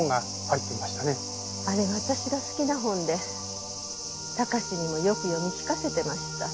あれ私が好きな本で貴史にもよく読み聞かせてました。